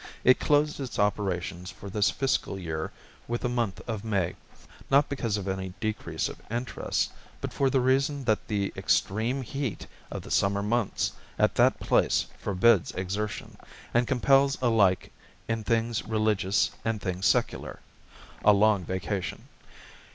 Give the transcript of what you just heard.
It closed its operations for this fiscal year with the month of May, not because of any decrease of interest, but for the reason that the extreme heat of the summer months at that place forbids exertion, and compels alike in things religious and things secular, a long vacation.